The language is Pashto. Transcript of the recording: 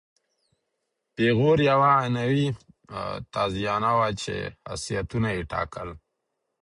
پیغور یوه عنعنوي تازیانه وه چې خاصیتونه یې ټاکل.